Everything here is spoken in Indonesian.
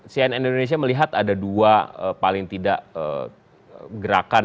cnn indonesia melihat ada dua paling tidak gerakan